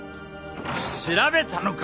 調べたのか？